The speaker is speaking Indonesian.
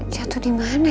jatuh di mana ya